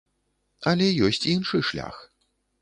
Але ёсць іншы шлях.